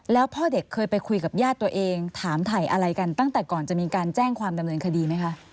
แล้วพ่อเด็กเคยไปคุยกับญาติตัวเองถามถ่ายอะไรกันตั้งแต่ก่อนจะมีการแจ้งความดำเนินคดีไหมคะ